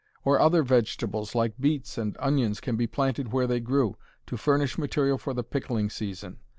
Or other vegetables, like beets and onions, can be planted where they grew, to furnish material for the pickling season.